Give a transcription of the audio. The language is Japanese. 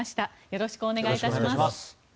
よろしくお願いします。